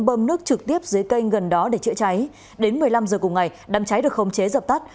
bơm nước trực tiếp dưới cây gần đó để chữa cháy đến một mươi năm h cùng ngày đám cháy được không chế dập tắt